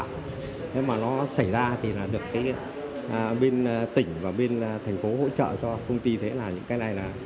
nếu mà nó xảy ra thì được bên tỉnh và bên thành phố hỗ trợ cho công ty thế là những cái này là